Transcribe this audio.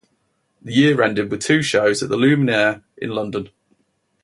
The year ended with two shows at the Luminaire in London.